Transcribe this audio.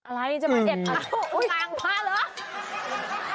อะไรจะมาเอดโอ้โฮล้างพละเหรอ